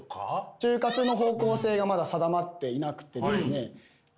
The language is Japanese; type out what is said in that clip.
就活の方向性がまだ定まっていなくてですね